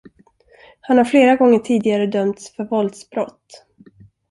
Han har flera gånger tidigare dömts för våldsbrott.